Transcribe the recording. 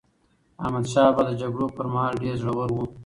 احمدشاه بابا د جګړو پر مهال ډېر زړور و.